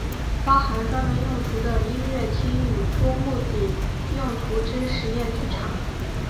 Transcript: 包含专门用途的音乐厅与多目的用途之实验剧场。